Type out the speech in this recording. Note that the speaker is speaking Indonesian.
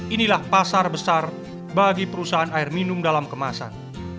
inilah pasar besar bagi perusahaan air minum dalam kemasan